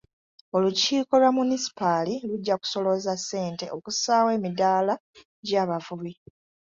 Olukiiko lwa munisipaali lujja kusolooza ssente okussaawo emidaala gy'abavubi.